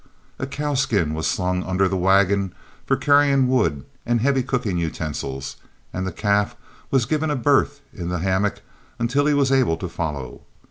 A cow skin was slung under the wagon for carrying wood and heavy cooking utensils, and the calf was given a berth in the hammock until he was able to follow.